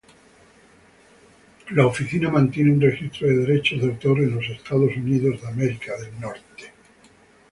La oficina mantiene un registro de derechos de autor en los Estados Unidos.